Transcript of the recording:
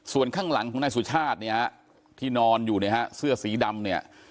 ส่วนข้างหลังของนายสุชาติเนี่ยฮะที่นอนอยู่เนี่ยฮะเสื้อสีดำเนี่ย